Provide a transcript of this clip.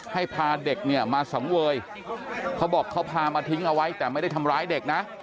ให้พาเด็กเนี่ยมาสังเวยเขาบอกเขาพามาทิ้งเอาไว้แต่ไม่ได้ทำร้ายเด็กนะ